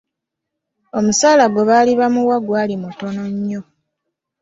Omusaala gwe baali bamuwa gwali mutono nnyo.